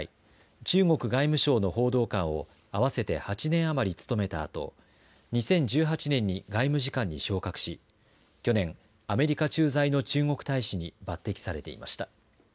中国外務省の報道官を合わせて８年余り務めたあと２０１８年に外務次官に昇格し去年アメリカ駐在の中国大使に抜てきされていました。